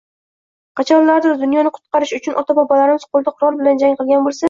Qachonlardir dunyoni qutqarish uchun ota-bobolarimiz qo’lda qurol bilan jang qilgan bo’lsa